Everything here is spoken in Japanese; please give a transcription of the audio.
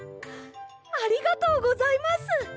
ありがとうございます！